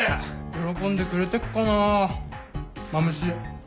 喜んでくれてっかなぁマムシ。